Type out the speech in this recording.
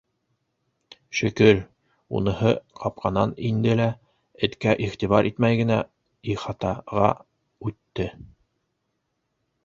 Шөкөр, уныһы ҡапҡанан инде лә, эткә иғтибар итмәй генә, ихатаға үтте.